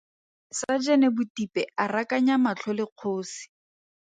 Sajene Botipe a rakanya matlho le kgosi.